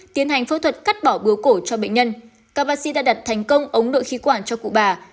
tiến hành phẫu thuật cắt bỏ bướu cổ cho bệnh nhân các bác sĩ đã đặt thành công ống nội khí quản cho cụ bà